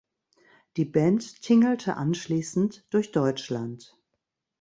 Die Band tingelte anschließend durch Deutschland.